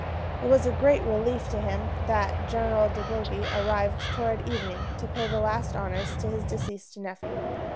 It was a great relief to him that General De Bougy arrived toward evening to pay the last honors to his deceased nephew.